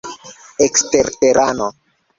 eksterterano